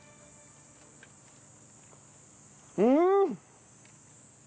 うん！